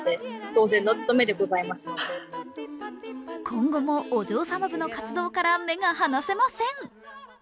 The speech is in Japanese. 今後もお嬢様部の活動から目が離せません。